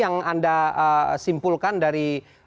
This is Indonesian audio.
yang anda simpulkan dari